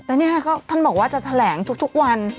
แต่นี่ก็ท่านบอกว่าจะแถลงทุกวัน